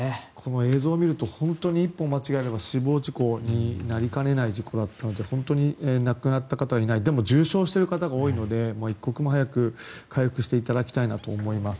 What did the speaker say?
映像を見ると一歩間違えれば死亡事故になりかねない事故だったので本当に亡くなった方がいないでも、重傷している方が多いので一刻も早く回復していただきたいなと思います。